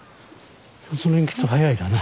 その辺きっと早いだな。